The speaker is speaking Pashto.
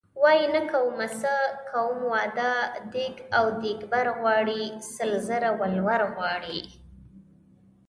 وايي نه کومه څه کوم واده دیګ او دیګبر غواړي سل زره ولور غواړي .